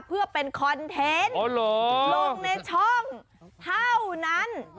เพื่อเป็นคอนเทนต์ลงในช่องเท่านั้น